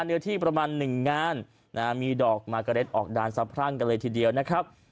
เนื้อที่ประมาณหนึ่งงานมีดอกมากระเด็ดออกดานสะพรั่งกันเลยทีเดียวนะครับ